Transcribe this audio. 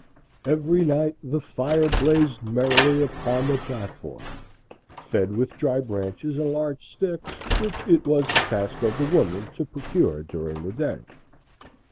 Every night the fire blazed merrily upon the platform, fed with dry branches and large sticks, which it was the task of the woman to procure during the day.